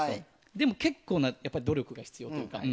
でも、結構な努力が必要というか。